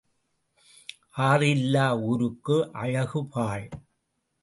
ஆறு இல்லா ஊருக்கு அழகு பாழ்.